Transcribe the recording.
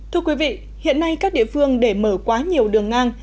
thưa quý vị hiện nay các địa phương để mở quá nhiều đường ngang